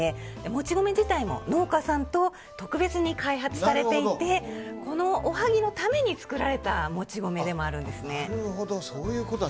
もち米自体も農家さんと特別に開発されていてこのおはぎのために作られたもち米でもあるんですね。